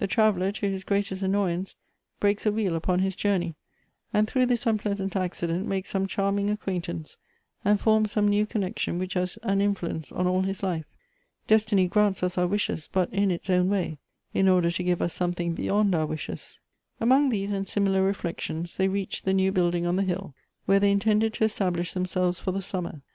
The traveller, to his greatest annoyance, breaks a wheel upon his journey, and Elective Affinities. 243 throngh this unpleasant accident makes some charming acquaintance, and forms some new connection, which has an influence on all his life. Destiny grants us our wishes, but in its own way, in order to give us something beyond our wishes. Among these and similar reflections they reached the new building on the hill, where they intended to estab lish themselves for the summer.